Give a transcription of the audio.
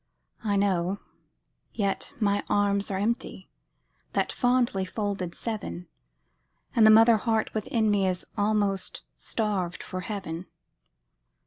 I know, yet my arms are empty, That fondly folded seven, And the mother heart within me Is almost starved for heaven.